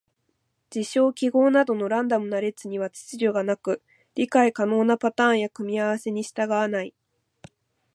事象・記号などのランダムな列には秩序がなく、理解可能なパターンや組み合わせに従わない。